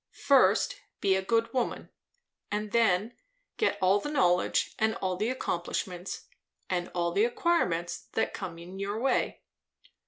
First, be a good woman; and then, get all the knowledge and all the accomplishments, and all the acquirements, that come in your way.